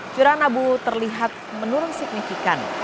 curahan abu terlihat menurun signifikan